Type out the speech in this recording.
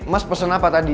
mas pesen apa tadi